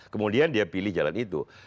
kemudian dia pilih jalan itu